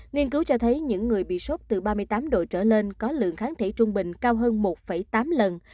nghiên cứu cho thấy những người bị sốc từ ba mươi tám độ trở lên có lượng kháng thể trung bình cao hơn một tám lần